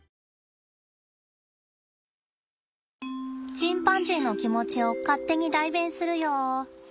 チンパンジーの気持ちを勝手に代弁するよ。